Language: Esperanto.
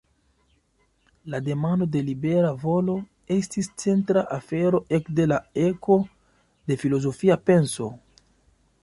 La demando de libera volo estis centra afero ekde la eko de filozofia penso.